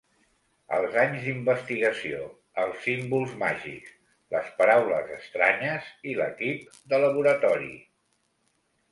Els anys d'investigació, els símbols màgics, les paraules estranyes i l'equip de laboratori...